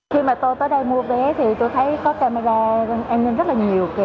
khi mà tôi tới đây mua vé thì tôi thấy có camera an ninh rất là nhiều